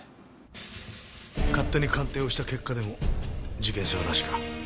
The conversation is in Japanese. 勝手に鑑定をした結果でも事件性はなしか。